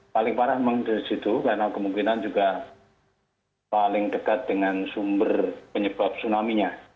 paling parah memang di situ karena kemungkinan juga paling dekat dengan sumber penyebab tsunami nya